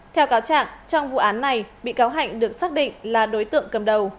theo cáo trạng trong vụ án này bị cáo hạnh được xác định là đối tượng cầm đầu